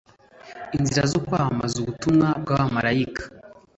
inzira zo kwamamaza ubutumwa bw'abamarayika